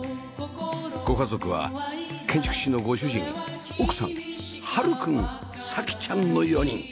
ご家族は建築士のご主人奥さん悠くん咲希ちゃんの４人